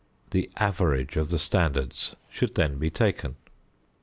The average of the standards should then be taken.